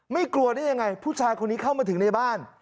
กลัวได้ยังไงผู้ชายคนนี้เข้ามาถึงในบ้าน